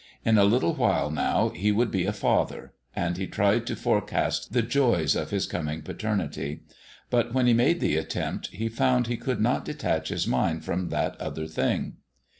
In a little while now he would be a father, and he tried to forecast the joys of his coming paternity. But when he made the attempt he found he could not detach his mind from that other thing.